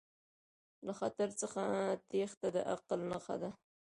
له خطر څخه تیښته د عقل نښه ده.